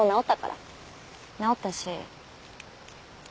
治ったし。